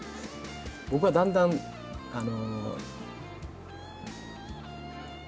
僕はだんだんあの。